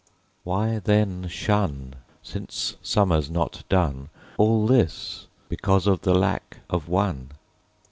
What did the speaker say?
"Why then shun— Since summer's not done— All this because of the lack of one?"